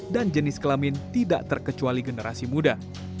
dan jenis kelamin tidak terkecuali generasi muda